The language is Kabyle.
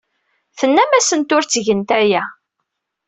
Tennam-asent ur ttgent aya.